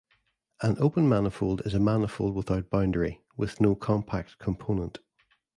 An open manifold is a manifold without boundary with no compact component.